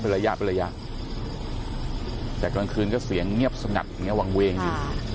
ระยะเป็นระยะแต่กลางคืนก็เสียงเงียบสงัดอย่างเงี้วางเวงอยู่